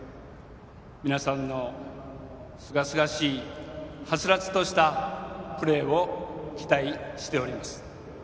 皆さんのすがすがしいはつらつとしたプレーを期待しております。